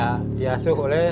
saya dihasuh oleh